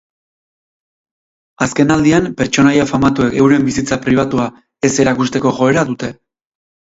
Azken aldian pertsonaia famatuek euren bizitza pribatua ez erakusteko joera dute.